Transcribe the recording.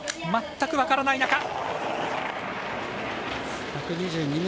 全く分からない中。